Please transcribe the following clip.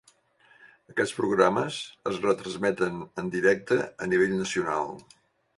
Aquests programes es retransmeten en directe a nivell nacional.